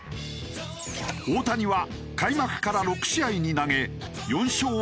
大谷は開幕から６試合に投げ４勝０敗。